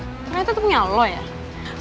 ternyata tuh punya lo ya